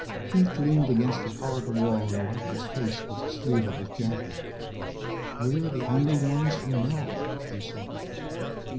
Pete leaned against the corridor wall and wiped his face with the sleeve of his jacket. "We're the only ones who know," he said.